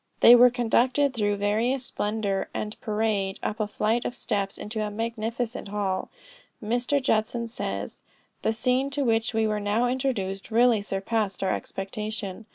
They were conducted through various splendor and parade, up a flight of steps into a magnificent hall. Mr. Judson says "The scene to which we were now introduced, really surpassed our expectation.